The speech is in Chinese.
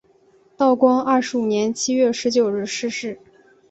道光二十五年七月十九日逝世。